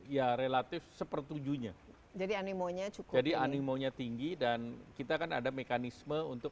ya relatif sepertujuhnya jadi animonya cukup jadi animonya tinggi dan kita kan ada mekanisme untuk